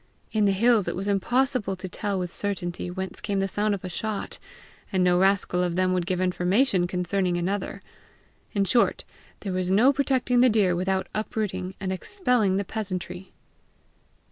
In the hills it was impossible to tell with certainty whence came the sound of a shot; and no rascal of them would give information concerning another! In short, there was no protecting the deer without uprooting and expelling the peasantry!